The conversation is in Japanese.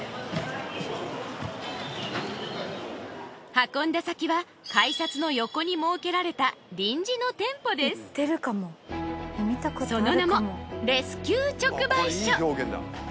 運んだ先は改札の横に設けられたその名も「レスキュー直売所」